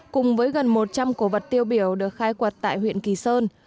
cùng với gần một trăm linh cổ vật tiêu biểu được khai quật tại huyện kỳ sơn